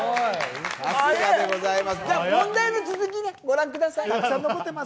じゃあ問題の続き、ご覧ください。